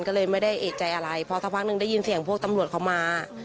ก็เลยไม่ได้เอกใจอะไรเพราะสักพักหนึ่งได้ยินเสียงพวกตำรวจเขามา